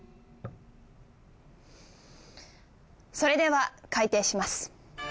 それでは開廷します。